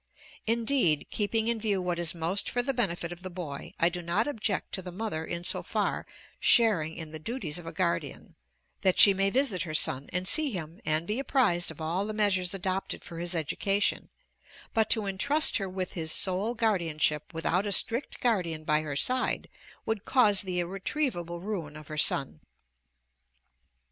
Indeed, keeping in view what is most for the benefit of the boy, I do not object to the mother in so far sharing in the duties of a guardian, that she may visit her son, and see him, and be apprised of all the measures adopted for his education; but to intrust her with his sole guardianship without a strict guardian by her side would cause the irretrievable ruin of her son.